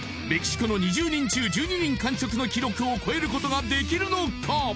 メキシコの２０人中１２人完食の記録を超えることができるのか？